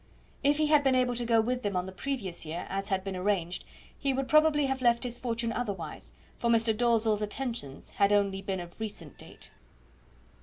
If he had been able to go with them on the previous year, as had been arranged, he would probably have left his fortune otherwise, for Mr. Dalzell's attentions had only been of recent date.